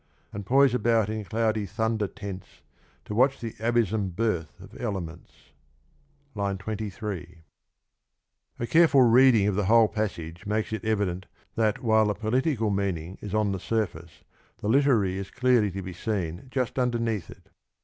And poise about in cloudy thunder tents To watch the abysm birth of elements. (III. 23) A careful reading of the whole passage makes it evident that while the political meaning is on the surface, the literary is clearly to be seen just underneath it.